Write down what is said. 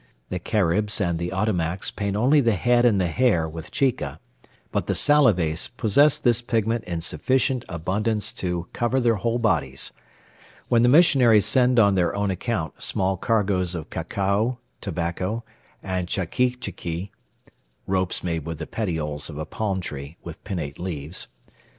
The Caribs and the Ottomacs paint only the head and the hair with chica, but the Salives possess this pigment in sufficient abundance to cover their whole bodies. When the missionaries send on their own account small cargoes of cacao, tobacco, and chiquichiqui* (* Ropes made with the petioles of a palm tree with pinnate leaves.)